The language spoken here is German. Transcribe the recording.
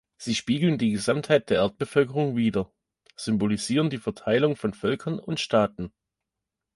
Sie spiegeln die Gesamtheit der Erdbevölkerung wider, symbolisieren die Verteilung von Völkern und Staaten.